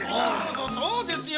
そうですよ